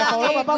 ya juga ya pak